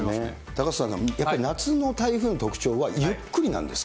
高塚さん、やっぱり夏の台風の特徴はゆっくりなんですか。